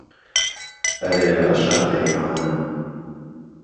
ئهرێ رهشهرهێحانه